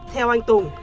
theo anh tùng